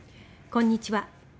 こんにちは。